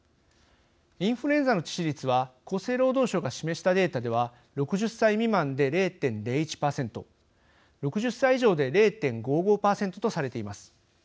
インフルエンザの致死率は厚生労働省が示したデータでは６０歳未満で０．０１％６０歳以上で０．５５％とされています。